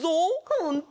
ほんと？